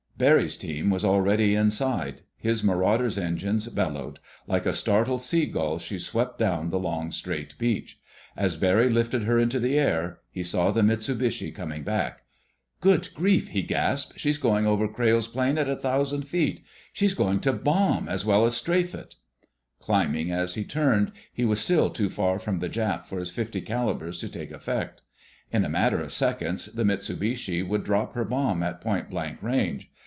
Barry's team was already inside. His Marauder's engines bellowed. Like a startled seagull she swept down the long, straight beach. As Barry lifted her into the air he saw the Mitsubishi coming back. "Good grief!" he gasped. "She's going over Crayle's plane at a thousand feet.... She's going to bomb as well as strafe it!" Climbing as he turned, he was still too far from the Jap for his .50 calibers to take effect. In a matter of seconds the Mitsubishi would drop her bomb at point blank range.